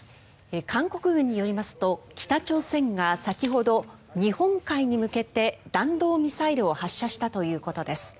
韓国軍によりますと北朝鮮が先ほど日本海に向けて、弾道ミサイルを発射したということです。